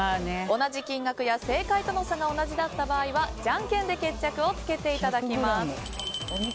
同じ金額や正解との差が同じだった場合はじゃんけんで決着をつけていただきます。